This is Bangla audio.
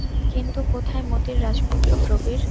কিন্তু কোথায় মতির রাজপুত্র প্রবীর?